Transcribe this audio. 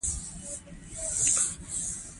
استازي په آزادو او پټو ټاکنو ټاکل کیږي.